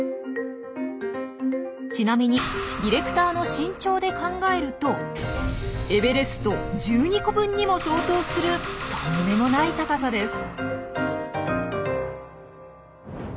ちなみにディレクターの身長で考えるとエベレスト１２個分にも相当するとんでもない高さです！